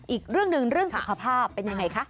อีกเรื่องหนึ่งเรื่องสุขภาพเป็นยังไงคะ